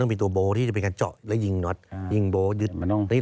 แล้วความเหนื่อยระเนี่ยมันจะมากกว่าเดินปกติตั้งเท่าไหร่